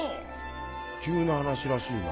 急な話らしいな。